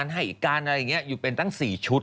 ให้อีกหกอยู่เป็นตั้ง๔ชุด